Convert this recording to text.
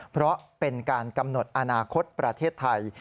เพราะเป็นการกำหนดอนาคตประเทศไทย